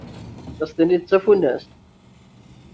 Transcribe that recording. Ad s-tiniḍ d tafunast.